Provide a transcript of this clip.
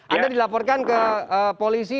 anda dilaporkan ke polisi